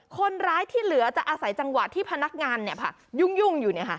คนร้ายที่เหลือจะอาศัยจังหวะที่พนักงานยุ่งอยู่